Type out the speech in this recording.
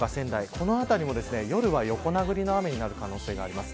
この辺りも夜は横殴りの雨になる可能性があります。